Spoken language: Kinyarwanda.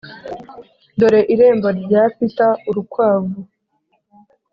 dore irembo rya peter urukwavu